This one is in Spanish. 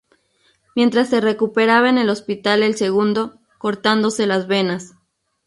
Mientras se recuperaba en el hospital el segundo, cortándose las venas.